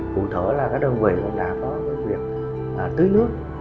cụ thể là các đơn vị cũng đã có việc tưới nước